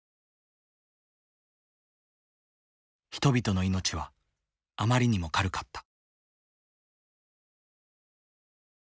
人々の命はあまりにも軽かった。